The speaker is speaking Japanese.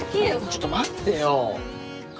ちょっと待ってよ。